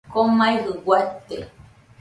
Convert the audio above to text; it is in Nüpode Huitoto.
Komaijɨ guate